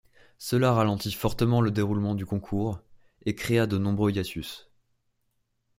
Cela ralentit fortement le déroulement du concours et créa de nombreux hiatus.